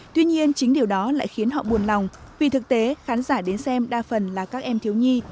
tuy nhiên chính điều đó lại khiến họ buồn lòng vì thực tế khán giả đến xem đa phần là các em thiếu nhi